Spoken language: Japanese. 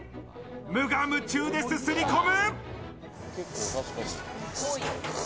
無我夢中で、すすりこむ！